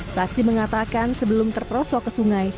saksi mengatakan sebelum terperosok ke sungai